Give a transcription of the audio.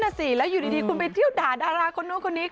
สิแล้วอยู่ดีคุณไปเที่ยวด่าดาราคนนู้นคนนี้